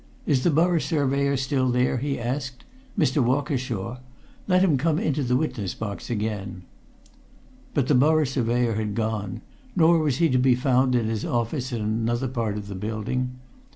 "Is the Borough Surveyor still there?" he asked. "Mr. Walkershaw? Let him come into the witness box again." But the Borough Surveyor had gone nor was he to be found in his office in another part of the building.